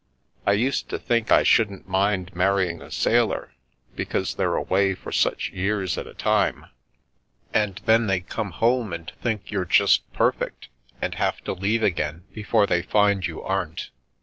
I used to think I shouldn't mind marrying a sailor, because they're away for such years at a time, and then they come home and think you're just perfect, and have to leave again before they find you aren't.